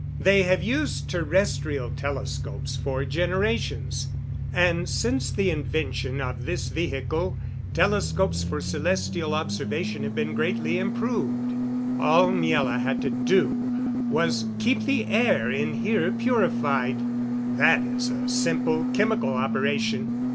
They have used terrestrial telescopes for generations, and since the invention of this vehicle telescopes for celestial observation have been greatly improved. "All Miela had to do was keep the air in here purified. That is a simple chemical operation.